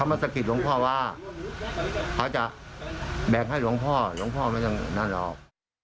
มาสะกิดหลวงพ่อว่าเขาจะแบ่งให้หลวงพ่อหลวงพ่อไม่ต้องนั่นหรอก